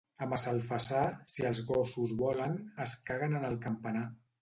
A Massalfassar, si els gossos volen, es caguen en el campanar.